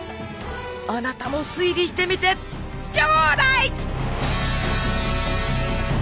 あなたも推理してみてちょだい！